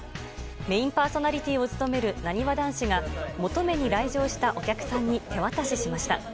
メインパーソナリティーを務めるなにわ男子が求めに来場したお客さんに手渡ししました。